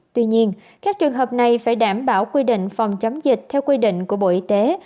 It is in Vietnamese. tuy nhiên các trường hợp này phải đảm bảo quy định phòng chống dịch theo quy định của bộ y tế